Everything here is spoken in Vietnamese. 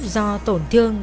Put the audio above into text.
do tổn thương